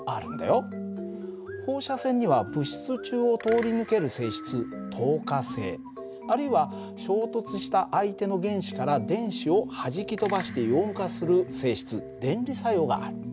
放射線には物質中を通り抜ける性質透過性あるいは衝突した相手の原子から電子をはじき飛ばしてイオン化する性質電離作用がある。